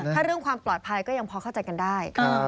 ถ้าเรื่องความปลอดภัยก็ยังพอเข้าใจกันได้